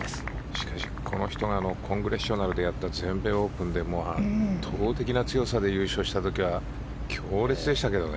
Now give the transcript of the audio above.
しかし、この人がコングレッショナルでやった全米オープンは圧倒的な強さで優勝した時は強烈でしたけどね。